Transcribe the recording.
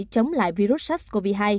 chống lại virus sars cov hai